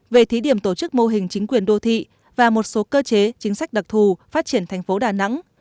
về thí điểm tổ chức mô hình chính quyền đô thị và một số cơ chế chính sách đặc thù phát triển thành phố đà nẵng